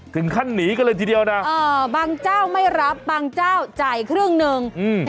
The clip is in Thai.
ถึงขั้นหนีกันเลยทีเดียวนะเออบางเจ้าไม่รับบางเจ้าจ่ายครึ่งหนึ่งอืม